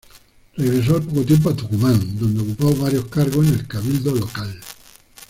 Regresó al poco tiempo a Tucumán, donde ocupó varios cargos en el cabildo local.